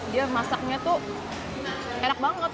dia masaknya tuh enak banget